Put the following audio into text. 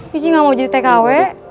pici nggak mau jadi tkw